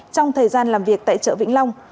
trong thời gian làm việc tại chợ vĩnh long